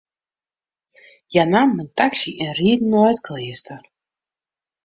Hja namen in taksy en rieden nei it kleaster.